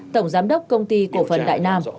tổng giám đốc công ty cổ phần đại nam